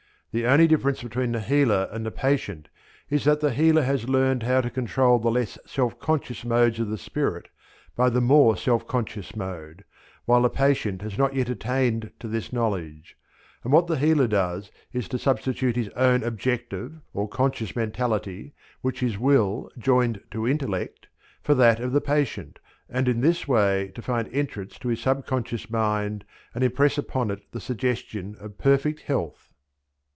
The only difference between the healer and the patient is that the healer has learnt how to control the less self conscious modes of the spirit by the more self conscious mode, while the patient has not yet attained to this knowledge; and what the healer does is to substitute his own objective or conscious mentality, which is will joined to intellect, for that of the patient, and in this way to find entrance to his sub conscious mind and impress upon it the suggestion of perfect health.